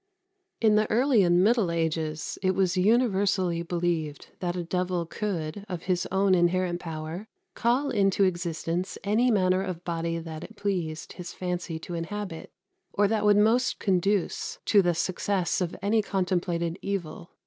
45. In the early and middle ages it was universally believed that a devil could, of his own inherent power, call into existence any manner of body that it pleased his fancy to inhabit, or that would most conduce to the success of any contemplated evil.